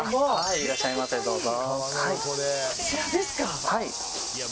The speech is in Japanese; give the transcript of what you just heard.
いらっしゃいませ、どうぞ。